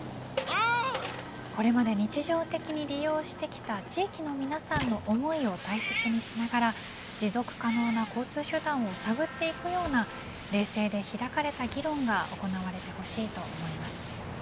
これまで日常的に利用してきた地域の皆さんの思いを大切にしながら持続可能な交通手段を探っていくような冷静で開かれた議論が行われてほしいと思います。